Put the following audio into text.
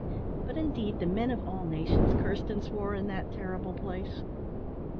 But, indeed, the men of all nations cursed and swore in that terrible place.